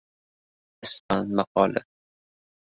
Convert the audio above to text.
Ispan maqoli